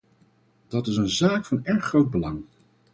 Dat is een zaak van erg groot belang.